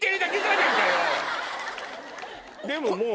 でももう。